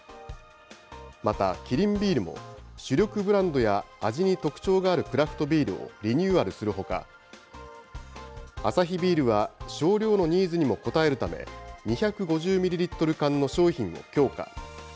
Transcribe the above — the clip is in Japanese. またキリンビールも、主力ブランドや味に特徴があるクラフトビールをリニューアルするほか、アサヒビールは、少量のニーズにも応えるため、２５０ミリリットル缶の商品を強化。